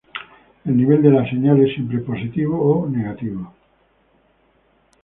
El nivel de la señal es siempre positivo o negativo.